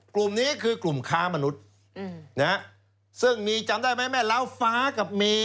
กลุ่มนี้คือกลุ่มค้ามนุษย์นะฮะซึ่งมีจำได้ไหมแม่เล้าฟ้ากับมี